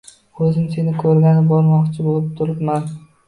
O‘zim seni ko‘rgani bormoqchi bo‘p turibman…